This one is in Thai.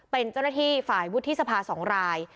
เป็นเจ้าหน้าที่ฝ่ายวุฒิสภา๒ราย